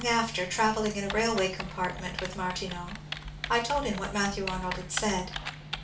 ft STOPFORD BROOKE 321 after, trayelling in a railway compartment with Martineau, I told bim what Matthew Arnold had said.